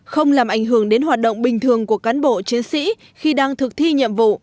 không làm ảnh hưởng đến hoạt động bình thường của cán bộ chiến sĩ khi đang thực thi nhiệm vụ